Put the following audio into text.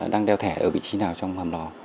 đang đeo thẻ ở vị trí nào trong hầm lò